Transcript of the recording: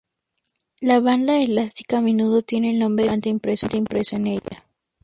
La banda elástica a menudo tiene el nombre del fabricante impreso en ella.